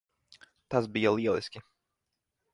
Tas bija lieliski.